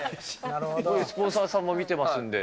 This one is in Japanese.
スポンサーさんも見てますんで。